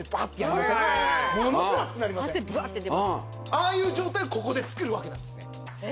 ああいう状態をここでつくるわけなんです。